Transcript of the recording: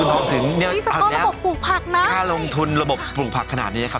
โอ้โฮดีเฉพาะระบบปลูกผักนะถ้าลงทุนระบบปลูกผักขนาดนี้ครับ